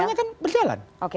semuanya kan berjalan